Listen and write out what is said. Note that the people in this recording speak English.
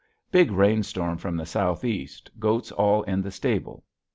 Big rainstorm from the S. E. goats all in the stabel.